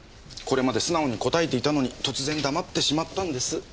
これまで素直に答えていたのに突然黙ってしまったんです。